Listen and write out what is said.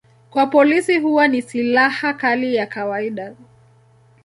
Kwa polisi huwa ni silaha kali ya kawaida.